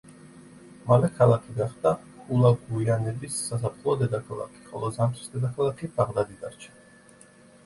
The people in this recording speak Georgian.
მალე ქალაქი გახდა ჰულაგუიანების საზაფხულო დედაქალაქი, ხოლო ზამთრის დედაქალაქი ბაღდადი დარჩა.